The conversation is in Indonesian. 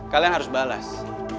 kalian harus balas